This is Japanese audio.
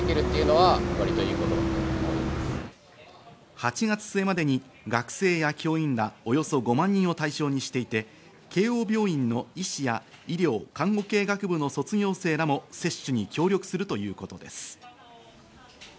８月末までに学生や教員らのおよそ５万人を対象にしていて、慶応病院の医師や医療・看護系学部の卒業生らも接種に協力するということです。